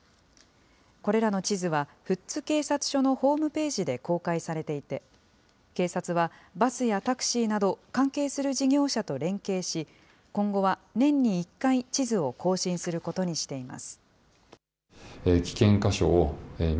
これらの地図は富津警察署のホームページで公開されていて、警察は、バスやタクシーなど、関係する事業者と連携し、今後は年に１回、地図を更新することにしています。